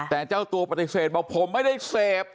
แต่เจ้าตัวปฏิเสธบอกผมไม่ได้เสพ